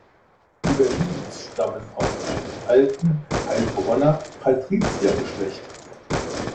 Die Berlins stammen aus einem alten Heilbronner Patriziergeschlecht.